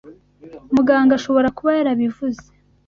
Muganga ashobora kuba yarabivuze.